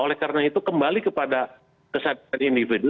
oleh karena itu kembali kepada kesatuan individu